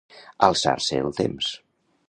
Alçar-se el temps.